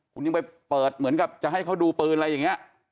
คุณยังไปเปิดเหมือนกับจะให้เขาดูปืนอะไรอย่างนี้